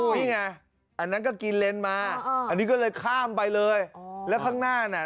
นี่ไงอันนั้นก็กินเลนมาอันนี้ก็เลยข้ามไปเลยอ๋อแล้วข้างหน้าน่ะ